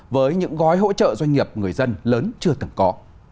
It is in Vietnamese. với những gói hỗ trợ doanh nghiệp người dân lớn chưa từng có